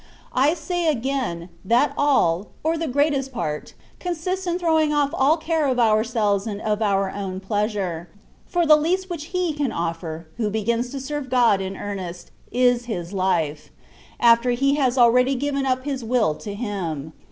I say again, that all, or the greatest part, consists in throwing oflF all care of ourselves and of our own pleasure ; for the least which he can offer, who begins to serve God in earnest — is his life, after he has already given up his will to Him.